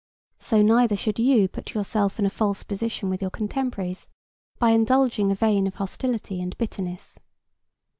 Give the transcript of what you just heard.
So neither should you put yourself in a false position with your contemporaries by indulging a vein of hostility and bitterness.